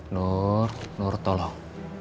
nur nur tolong